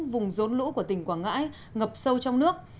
vùng rốn lũ của tỉnh quảng ngãi ngập sâu trong nước